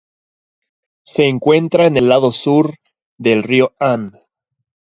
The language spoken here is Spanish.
Se encuentra en el lado sur del Río Han.